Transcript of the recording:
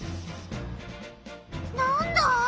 なんだ？